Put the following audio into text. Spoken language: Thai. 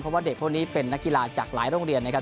เพราะว่าเด็กพวกนี้เป็นนักกีฬาจากหลายโรงเรียนนะครับ